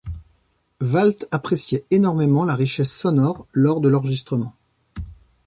Walt appréciait énormément la richesse sonore lors de l'enregistrement.